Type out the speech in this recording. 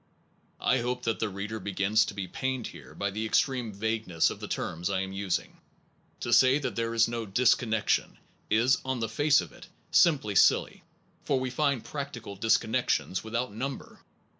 I hope that the reader begins to be pained here by the extreme vagueness of the terms I am using. To say that there is no disconnec tion/ is on the face of it simply silly, for we find practical disconnections without number.